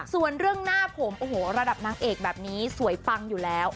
ส่วนเรื่องหน้าผมโอ้โหระดับนางเอกแบบนี้สวยปังอยู่แล้ว